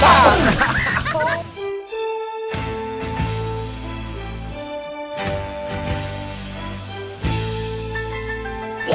ที่นี่